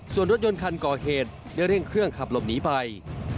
ส่วนรถยนต์คันก่อเหตุได้เร่งเครื่องขับหลบหนีไป